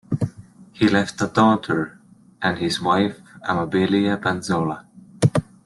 He left a daughter and his wife Amabilia Banzola.